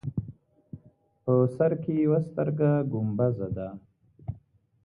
په سر کې یوه ستره ګومبزه ده.